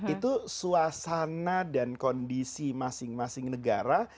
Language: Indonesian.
itu suasana dan kondisi masing masing negara